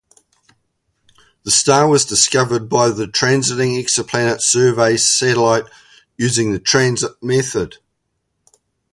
The star was discovered by the Transiting Exoplanet Survey Satellite using the transit method.